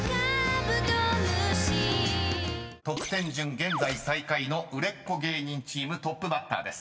［得点順現在最下位の売れっ子芸人チームトップバッターです］